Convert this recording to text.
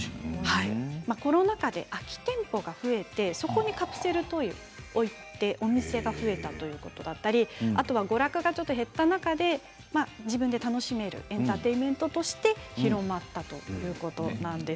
コロナ禍で空き店舗が増えてそこにカプセルトイを置いてお店が増えたということだったりあとは娯楽が減った中で自分で楽しめるエンターテインメントとして広まったということなんです。